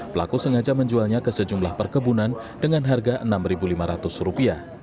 pelaku sengaja menjualnya ke sejumlah perkebunan dengan harga rp enam lima ratus